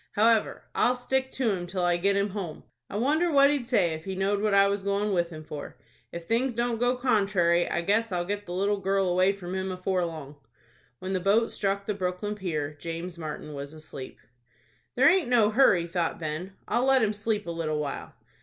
However, I'll stick to him till I get him home. I wonder what he'd say if he knowed what I was goin' with him for. If things don't go contrary, I guess I'll get the little girl away from him afore long." When the boat struck the Brooklyn pier, James Martin was asleep. "There aint no hurry," thought Ben; "I'll let him sleep a little while."